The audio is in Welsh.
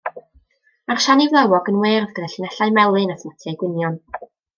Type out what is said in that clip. Mae'r siani flewog yn wyrdd gyda llinellau melyn a smotiau gwynion.